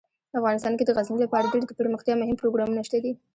افغانستان کې د غزني لپاره ډیر دپرمختیا مهم پروګرامونه شته دي.